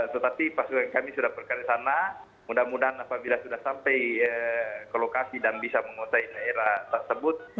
tetapi pasukan kami sudah berkali sana mudah mudahan apabila sudah sampai ke lokasi dan bisa menguasai daerah tersebut